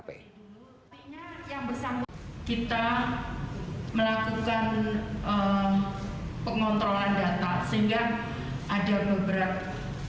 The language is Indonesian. melakukan pengontrolan data sehingga ada beberapa